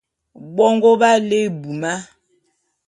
Bongo b'á lé ebuma.